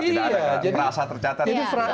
tidak ada perasaan tercatat